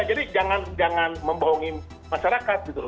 jadi jangan membohongi masyarakat gitu loh